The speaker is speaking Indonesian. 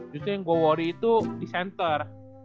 justru yang go worry itu di center